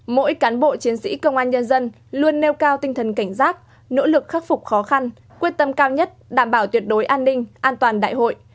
mỗi cán bộ chiến sĩ công an nhân dân luôn nêu cao tinh thần cảnh giác nỗ lực khắc phục khó khăn quyết tâm cao nhất đảm bảo tuyệt đối an ninh an toàn đại hội